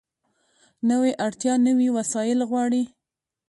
نوې اړتیا نوي وسایل غواړي